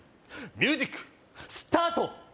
ミュージックスタート！